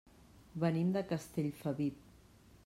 Venim de Castellfabib.